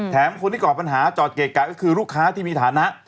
คนที่ก่อปัญหาจอดเกะกะก็คือลูกค้าที่มีฐานะ